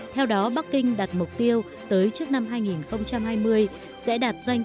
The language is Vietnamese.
theo đó bắc kinh đặt mục tiêu tới trước năm hai nghìn hai mươi sẽ đạt doanh thu từ một mươi hai đến một mươi năm tỷ nhân dân tệ